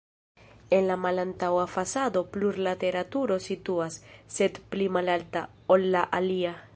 En la malantaŭa fasado plurlatera turo situas, sed pli malalta, ol la alia.